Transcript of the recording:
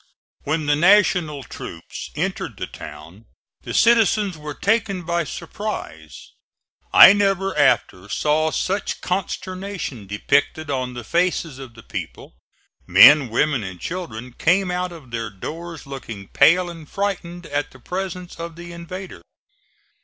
When the National troops entered the town the citizens were taken by surprise. I never after saw such consternation depicted on the faces of the people. Men, women and children came out of their doors looking pale and frightened at the presence of the invader.